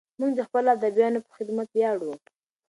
موږ د خپلو ادیبانو په خدمت ویاړو.